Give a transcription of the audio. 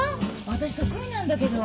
私得意なんだけど。